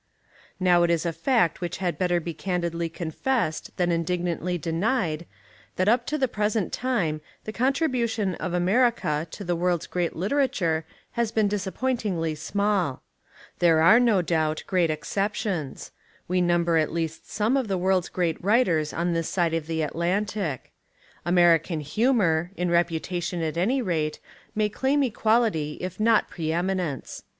Now it is a fact which had better be candidly confessed than indignantly denied that up to the present time the contribution of America to the world's great literature has been disap pointingly small. There are no doubt great exceptions. We number at least some of the world's great writers on this side of the At lantic. American humour, in reputation at any rate, may claim equality if not pre eminence.